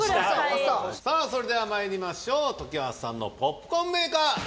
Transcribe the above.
さぁそれではまいりましょう常盤さんのポップコーンメーカー。